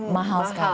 ini mahal ya